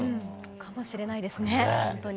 かもしれないですね、本当に。